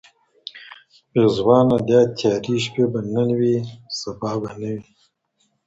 پېزوانه دا تیارې شپې به نن وي سبا به نه وي